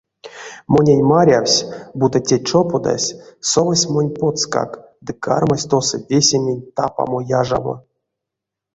Монень марявсь, буто те чоподась совась монь потскак ды кармась тосо весементь тапамо-яжамо.